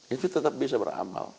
itu tetap bisa beramal